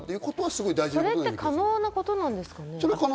それって可能なことなんですか？